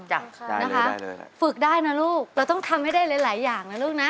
นะคะฝึกได้นะลูกเราต้องทำให้ได้หลายอย่างนะลูกนะ